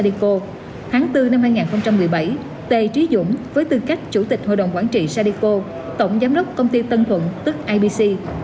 tháng bốn năm hai nghìn một mươi bảy tê trí dũng với tư cách chủ tịch hội đồng quản trị sadico tổng giám đốc công ty tân thuận tức ibc